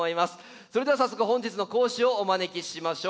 それでは早速本日の講師をお招きしましょう。